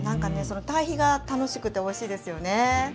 その対比が楽しくておいしいですよね。